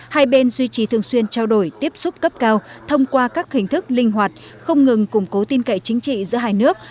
hai bên duy trì thường xuyên trao đổi tiếp xúc cấp cao thông qua các hình thức linh hoạt không ngừng củng cố tin cậy chính trị giữa hai nước